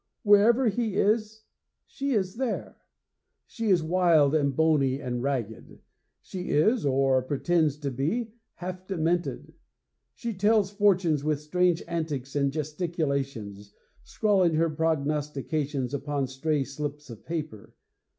Wherever he is, she is there. She is wild and bony and ragged. She is, or pretends to be, half demented. She tells fortunes with strange antics and gesticulations, scrawling her prognostications upon stray slips of paper.